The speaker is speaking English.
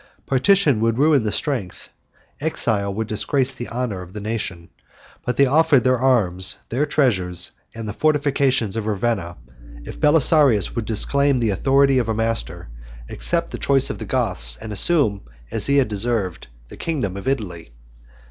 Partition would ruin the strength, exile would disgrace the honor, of the nation; but they offered their arms, their treasures, and the fortifications of Ravenna, if Belisarius would disclaim the authority of a master, accept the choice of the Goths, and assume, as he had deserved, the kingdom of Italy.